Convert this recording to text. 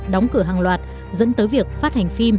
đóng cửa hàng loạt dẫn tới việc phát hành phim